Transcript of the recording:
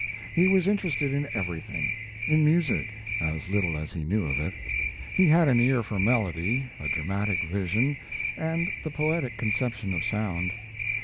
He was interested in everything: in music, as little as he knew of it. He had an ear for melody, a dramatic vision, and the poetic conception of sound.